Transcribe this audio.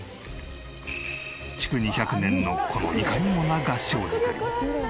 築２００年のこのいかにもな合掌造り。